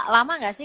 lama gak sih